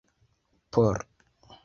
por